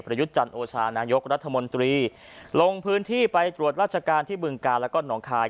ยุทธ์จันทร์โอชานายกรัฐมนตรีลงพื้นที่ไปตรวจราชการที่บึงกาลแล้วก็หนองคาย